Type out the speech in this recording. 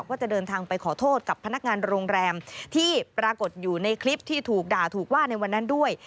ก็จะเดินทางไปขอโทษกับพนักงานโรงแรมที่ปรากฏอยู่ในคลิปที่ถูกด่าถูกว่าในวันนั้นด้วย